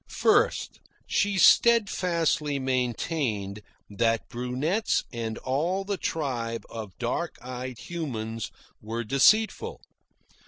First, she steadfastly maintained that brunettes and all the tribe of dark eyed humans were deceitful.